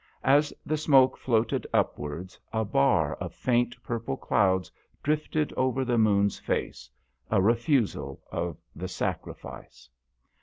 As the smoke floated upwards a bar of faint purple clouds drifted over the moon's face a refusal of the sacrifice.